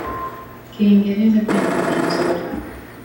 Kiingereza pia ni lugha nzuri